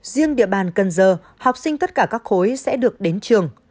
riêng địa bàn cần giờ học sinh tất cả các khối sẽ được đến trường